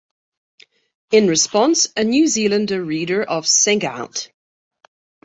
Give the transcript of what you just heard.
In response, a New Zealand reader of Sing Out!